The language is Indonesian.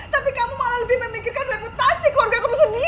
tapi kamu malah lebih memikirkan reputasi keluarga kamu sendiri